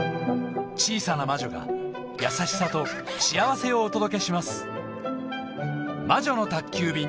小さな魔女が優しさと幸せをお届けします